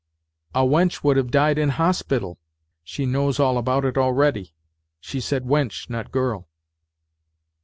" A wench would have died in hospital ..." (She knows all about it already : she said " wench," not " girl.")